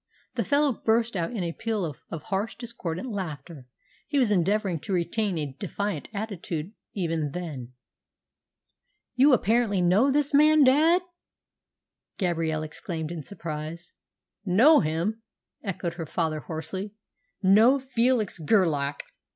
The fellow burst out into a peal of harsh, discordant laughter. He was endeavouring to retain a defiant attitude even then. "You apparently know this man, dad?" Gabrielle exclaimed in surprise. "Know him!" echoed her father hoarsely. "Know Felix Gerlach!